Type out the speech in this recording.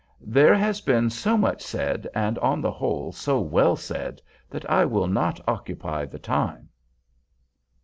"There has been so much said, and, on the whole, so well said, that I will not occupy the time."